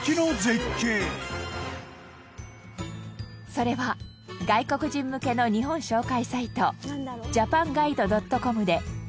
それは外国人向けの日本紹介サイトｊａｐａｎ−ｇｕｉｄｅ．ｃｏｍで。